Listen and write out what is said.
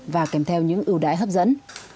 và kèm theo những ưu đại hấp dẫn